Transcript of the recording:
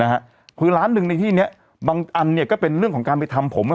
นะฮะคือล้านหนึ่งในที่เนี้ยบางอันเนี้ยก็เป็นเรื่องของการไปทำผมอ่ะ